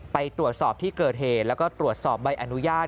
ไปตรวจสอบที่เกิดเหตุแล้วก็ตรวจสอบใบอนุญาต